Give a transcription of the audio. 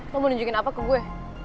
mau nunjukin apa ke gue